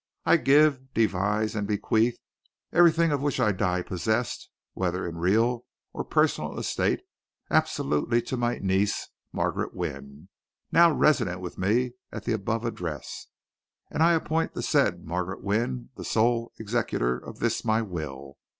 I give, devise, and bequeath everything of which I die possessed, whether in real or personal estate, absolutely to my niece, Margaret Wynne, now resident with me at the above address, and I appoint the said Margaret Wynne the sole executor of this my will.